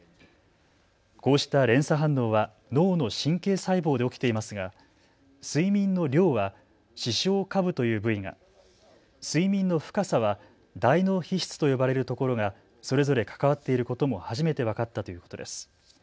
こうした連鎖反応は脳の神経細胞で起きていますが睡眠の量は視床下部という部位が、睡眠の深さは大脳皮質と呼ばれるところがそれぞれ関わっていることも初めて分かったということです。